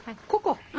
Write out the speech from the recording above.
ここ？